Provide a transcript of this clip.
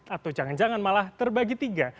atau jangan jangan malah terbagi tiga